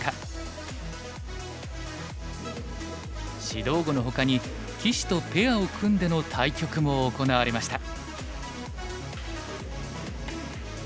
指導碁のほかに棋士とペアを組んでの対局も行われました。